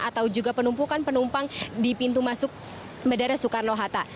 atau juga penumpukan penumpang di pintu masuk bandara soekarno hatta